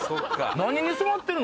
何に染まってるの？